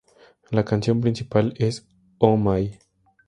La canción principal es "Oh my!